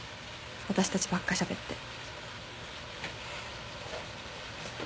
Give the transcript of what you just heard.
私たちばっかしゃべって。